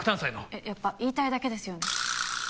えっやっぱり言いたいだけですよね？